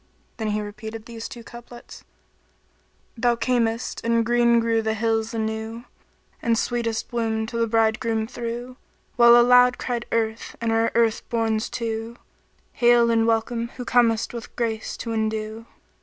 And he repeated these two couplets, "Thou camest and green grew the hills anew; * And sweetest bloom to the bridegroom threw, While aloud cried Earth and her earth borns too * 'Hail and welcome who comest with grace to endue.'"